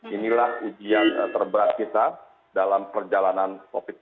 inilah ujian terberat kita dalam perjalanan covid sembilan belas